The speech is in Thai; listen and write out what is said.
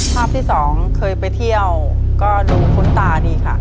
ภาพที่สองเคยไปเที่ยวก็ดูคุ้นตาดีค่ะ